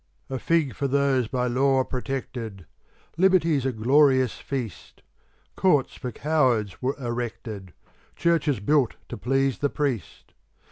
A fig for those by law protected! Liberty's a glorious feast! Courts for cowards were erected! Churches built to please the priest!